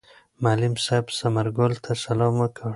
معلم صاحب ثمر ګل ته سلام وکړ.